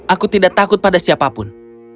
aku tidak takut pada siapapun